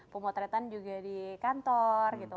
pemotretan juga di kantor gitu